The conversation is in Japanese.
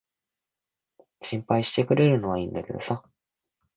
心配してくれるのは良いんだけどさ。